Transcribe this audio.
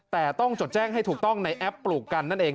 แต่ต้องจดแจ้งให้ถูกต้องในแอปปลูกกันนั่นเอง